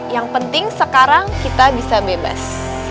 yang penting sekarang kita bisa bebas